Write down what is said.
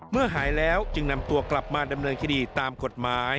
หายแล้วจึงนำตัวกลับมาดำเนินคดีตามกฎหมาย